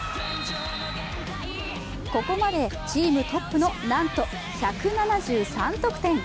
ここまでチームトップのなんと１７３得点。